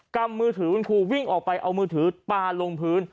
ำมือถือคุณครูวิ่งออกไปเอามือถือปลาลงพื้น